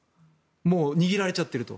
もう握られちゃってると。